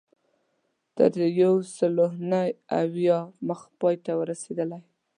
تر یو سلو نهه اویا مخ پای ته رسېدلې.